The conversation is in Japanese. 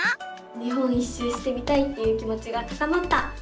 日本一周してみたいっていう気もちが高まった！